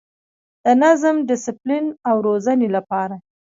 د نظم، ډسپلین او روزنې لپاره